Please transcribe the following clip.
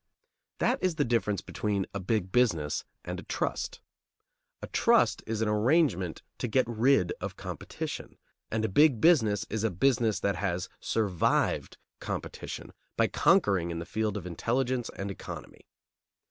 That is the difference between a big business and a trust. A trust is an arrangement to get rid of competition, and a big business is a business that has survived competition by conquering in the field of intelligence and economy.